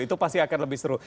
itu pasti akan lebih seru